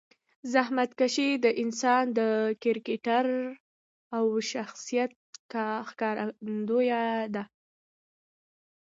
زحمتکشي د انسان د کرکټر او شخصیت ښکارندویه ده.